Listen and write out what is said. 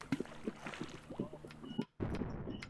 雅利亚在这个意义上经常解作佛教典籍中的英雄。